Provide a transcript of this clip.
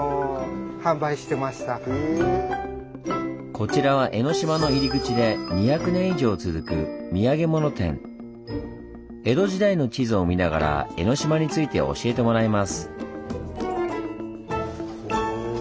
こちらは江の島の入り口で江戸時代の地図を見ながら江の島について教えてもらいます。